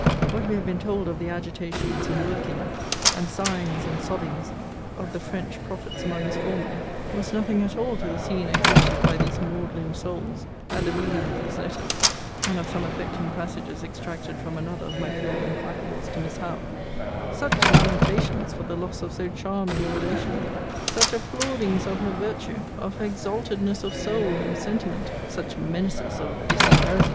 What we have been told of the agitations and workings, and sighings and sobbings, of the French prophets among us formerly, was nothing at all to the scene exhibited by these maudlin souls, at the reading of these letters; and of some affecting passages extracted from another of my fair implacable's to Miss Howe such lamentations for the loss of so charming a relation! such applaudings of her virtue, of her exaltedness of soul and sentiment! such menaces of disinherisons!